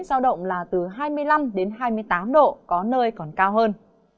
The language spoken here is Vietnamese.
giao động là từ hai mươi năm đến hai mươi tám độ có nơi còn cao hơn